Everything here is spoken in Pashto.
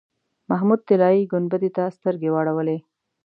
محمود طلایي ګنبدې ته سترګې واړولې.